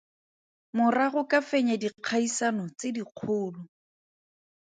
Morago ka fenya dikgaisano tse dikgolo.